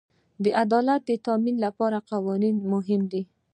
د عدالت د تامین لپاره قوانین مهم دي.